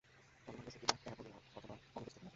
চলনাঙ্গ setae বা parapodia অথবা অনুপস্থিত।